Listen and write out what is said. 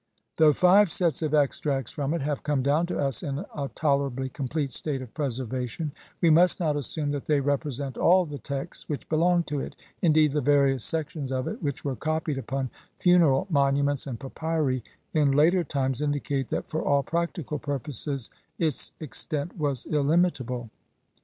Though five sets of extracts from it have come down to us in a tolerably complete state of preservation, we must not assume that they represent all the texts which belonged to it, indeed the various sections of it which were copied upon funeral monu ments and papyri in later times indicate that for all practical purposes its extent was illimitable.